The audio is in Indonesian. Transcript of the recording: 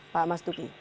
pak mas duki